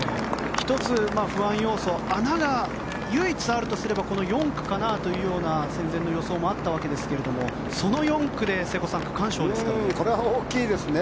１つ、不安要素穴が唯一あるとすれば４区かなというような戦前の予想もありましたがその４区で瀬古さん区間賞ですからね。